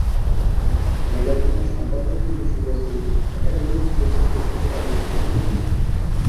ম্যাগাজিনের সম্পাদকীয় বিষয়বস্তু একাডেমিক ক্ষেত্রে প্রশংসিত এবং স্বীকৃত ছিল।